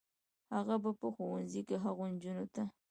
هغه به په ښوونځي کې هغو نجونو ته